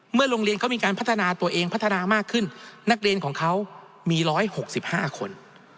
โรงเรียนเขามีการพัฒนาตัวเองพัฒนามากขึ้นนักเรียนของเขามี๑๖๕คน